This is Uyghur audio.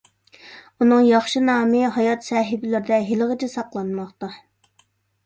ئۇنىڭ ياخشى نامى ھايات سەھىپىلىرىدە ھېلىغىچە ساقلانماقتا.